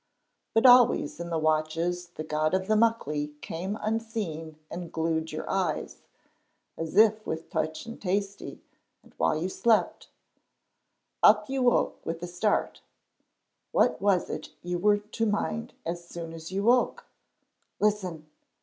But always in the watches the god of the Muckley came unseen and glued your eyes, as if with Teuch and Tasty, and while you slept Up you woke with a start. What was it you were to mind as soon as you woke? Listen!